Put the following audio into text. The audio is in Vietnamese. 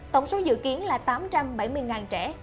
tổng số dự kiến là tám trăm bảy mươi trẻ